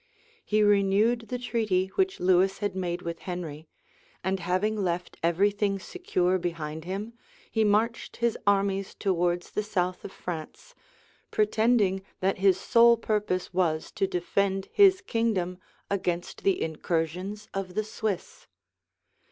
He renewed the treaty which Lewis had made with Henry; and having left every thing secure behind him, he marched his armies towards the south of France; pretending that his sole purpose was to defend his kingdom against the incursions of the Swiss.